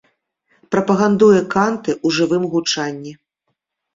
Прапагандуе канты ў жывым гучанні.